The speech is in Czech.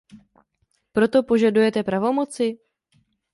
Proto požadujete pravomoci?